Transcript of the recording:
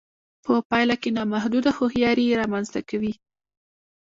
په پايله کې نامحدوده هوښياري رامنځته کوي.